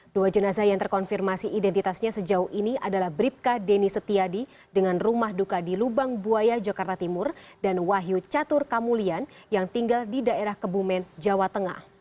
dua jenazah yang terkonfirmasi identitasnya sejauh ini adalah bribka denny setiadi dengan rumah duka di lubang buaya jakarta timur dan wahyu catur kamulian yang tinggal di daerah kebumen jawa tengah